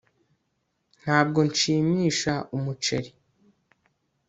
ntabwo nshimisha umuceri